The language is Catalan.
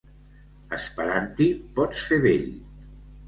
Esperant t'hi pots fer vell.